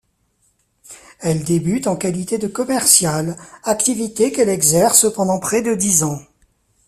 Elle débute en qualité de commerciale, activité qu'elle exerce pendant près de dix ans.